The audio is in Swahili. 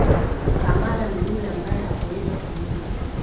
Kamala ni yule ambaye hakuweza kuimba.